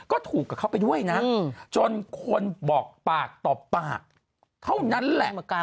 ก็ถูกกับเขาไปด้วยนะจนคนบอกปากต่อปากเท่านั้นแหละ